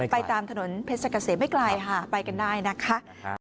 ไปตามถนนเพชรกะเสมไม่ไกลค่ะไปกันได้นะคะ